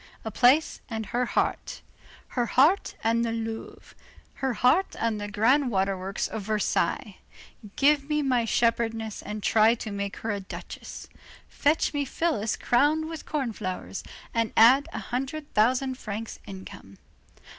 A palace and her heart. Her heart and the Louvre. Her heart and the grand waterworks of Versailles. Give me my shepherdess and try to make her a duchess. Fetch me Phyllis crowned with corn flowers, and add a hundred thousand francs income.